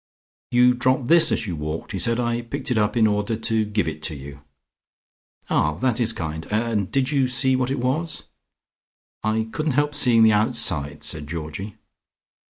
"You dropped this as you walked," he said. "I picked it up in order to give it you." "Ah, that is kind, and did you see what it was?" "I couldn't help seeing the outside," said Georgie.